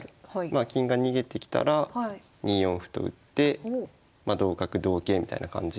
まあ金が逃げてきたら２四歩と打って同角同桂みたいな感じで。